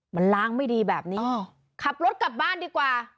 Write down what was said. มันล้างไม่ดีแบบนี้ขับรถกลับบ้านดีกว่า